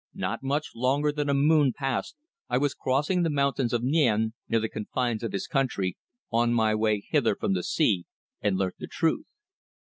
Not much longer than a moon past I was crossing the mountains of Niene, near the confines of his country, on my way hither from the sea, and learnt the truth.